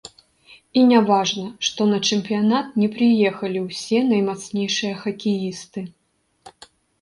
І не важна, што на чэмпіянат не прыехалі ўсе наймацнейшыя хакеісты.